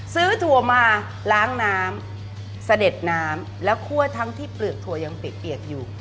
ถั่วมาล้างน้ำเสด็จน้ำแล้วคั่วทั้งที่เปลือกถั่วยังเปียกอยู่